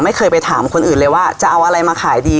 ไม่เคยไปถามคนอื่นเลยว่าจะเอาอะไรมาขายดี